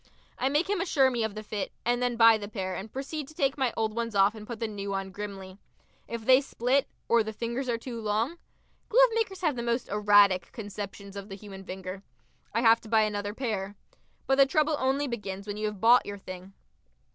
I make him assure me of the fit, and then buy the pair and proceed to take my old ones off and put the new on grimly. If they split or the fingers are too long glovemakers have the most erratic conceptions of the human finger I have to buy another pair. But the trouble only begins when you have bought your thing.